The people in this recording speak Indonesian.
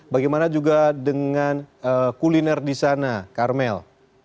bagaimana juga dengan kuliner di sana karmel